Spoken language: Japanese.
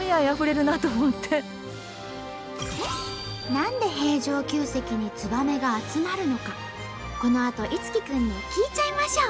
何で平城宮跡にツバメが集まるのかこのあと樹くんに聞いちゃいましょう！